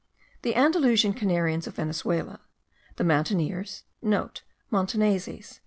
The Andalusian Canarians of Venezuela, the Mountaineers* (* Montaneses.